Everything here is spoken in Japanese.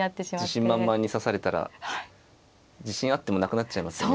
自信満々に指されたら自信あってもなくなっちゃいますよね。